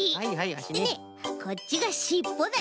でねこっちがしっぽだよ。